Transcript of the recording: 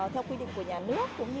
theo quy định của nhà nước